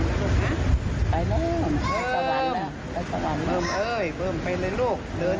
อยู่อยู่ที่แบบนี้